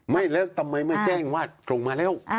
ไม่แล้วทำไมไม่แจ้งว่าส่งมาแล้ว